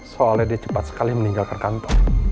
soalnya dia cepat sekali meninggalkan kantor